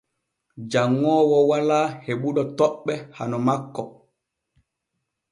Janŋoowo walaa heɓuɗo toɓɓe hano makko.